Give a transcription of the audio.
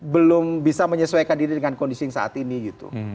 belum bisa menyesuaikan diri dengan kondisi yang saat ini gitu